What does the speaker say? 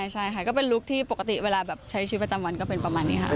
ใช่ค่ะก็เป็นลุคที่ปกติเวลาแบบใช้ชีวิตประจำวันก็เป็นประมาณนี้ค่ะ